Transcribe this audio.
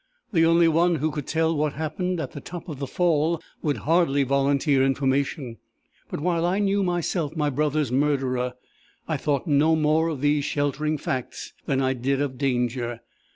The only one who could tell what happened at the top of the fall, would hardly volunteer information. But, while I knew myself my brother's murderer, I thought no more of these sheltering facts than I did of danger.